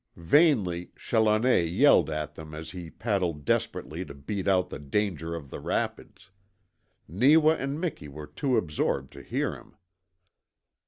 Vainly Challoner yelled at them as he paddled desperately to beat out the danger of the rapids. Neewa and Miki were too absorbed to hear him.